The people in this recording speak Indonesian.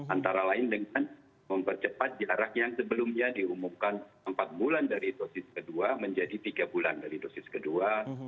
antara lain dengan mempercepat jarak yang sebelumnya diumumkan empat bulan dari dosis kedua menjadi tiga bulan dari dosis kedua